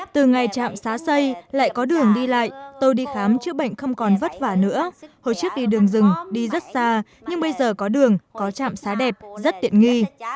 từ ngày trạm xá xây lại có đường đi lại tôi đi khám chữa bệnh không còn vất vả nữa hồi chiếc đi đường rừng đi rất xa nhưng bây giờ có đường có trạm xá đẹp rất tiện nghi